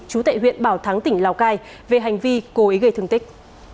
chú tại huyện bảo thắng tỉnh lào cai về hành vi cố ý gây thương tích